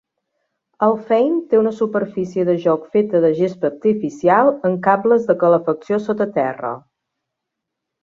Alfheim té una superfície de joc feta de gespa artificial amb cables de calefacció sota terra.